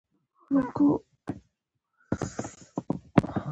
خوړل د کورنۍ خوښي ده